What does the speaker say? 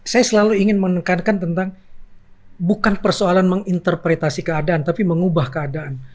saya selalu ingin menekankan tentang bukan persoalan menginterpretasi keadaan tapi mengubah keadaan